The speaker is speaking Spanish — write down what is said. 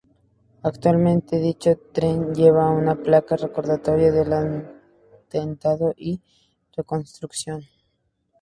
Actualmente dicho tren lleva una placa recordatoria del atentado y su reconstrucción.